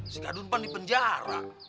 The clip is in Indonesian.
sikardon kan di penjara